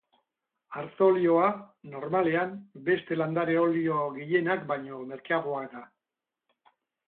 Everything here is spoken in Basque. Arto olioa, normalean, beste landare-olio gehienak baino merkeagoa da.